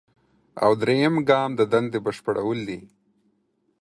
او دریم ګام د دندې بشپړول دي.